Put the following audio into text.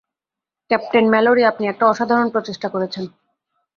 Captain Mallory, আপনি একটা অসাধারণ প্রচেষ্টা করেছেন।